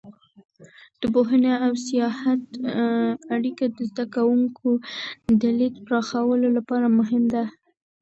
د پوهنې او سیاحت اړیکه د زده کوونکو د لید پراخولو لپاره مهمه ده.